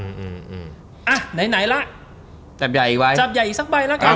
อ่ะไหนละจับใหญ่อีกไว้จับใหญ่อีกสักใบละกัน